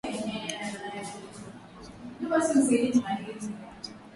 kumradhi mpenzi msikilizaji kwa makosa hayo ya sauti